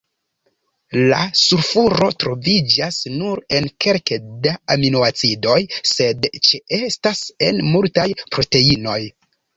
La sulfuro troviĝas nur en kelke da aminoacidoj, sed ĉeestas en multaj proteinoj.